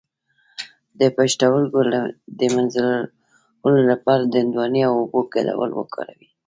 د پښتورګو د مینځلو لپاره د هندواڼې او اوبو ګډول وکاروئ